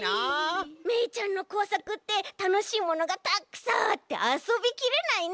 めいちゃんのこうさくってたのしいものがたくさんあってあそびきれないね。